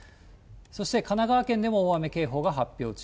そして神奈川県でも大雨警報が発表中。